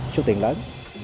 số tiền lớn